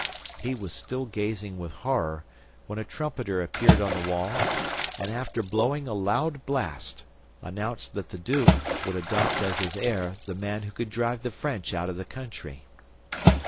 He was still gazing with horror, when a trumpeter appeared on the walls, and, after blowing a loud blast, announced that the duke would adopt as his heir the man who could drive the French out of the country.